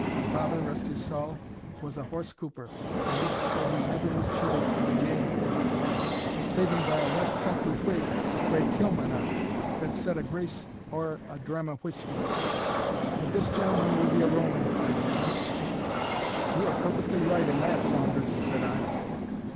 My father, rest his saul, was a horse couper, and used to say he never was cheated in a naig in his life, saving by a west country whig frae Kilmarnock, that said a grace ower a dram o' whisky. But this gentleman will be a Roman, I'se warrant?" "You are perfectly right in that, Saunders," said I.